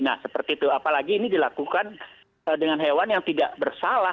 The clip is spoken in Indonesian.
nah seperti itu apalagi ini dilakukan dengan hewan yang tidak bersalah